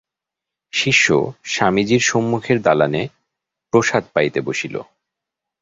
শিষ্য স্বামীজীর সম্মুখের দালানে প্রসাদ পাইতে বসিল।